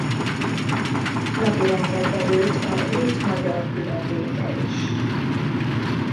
Napirendre került a brit–magyar különbéke is.